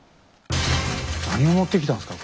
何を持ってきたんですか？